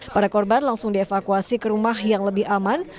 para korban langsung dievakuasi ke rumah yang lebih aman